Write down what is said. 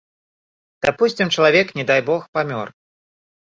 Дапусцім, чалавек, не дай бог, памёр.